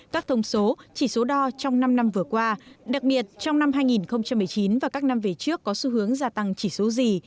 các thông số chỉ số đo trong năm năm vừa qua đặc biệt trong năm hai nghìn một mươi chín và các năm về trước có xu hướng gia tăng chỉ số gì